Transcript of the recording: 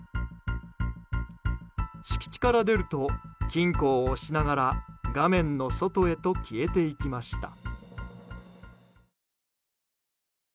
敷地から出ると金庫を押しながら画面の外へと消えていきました。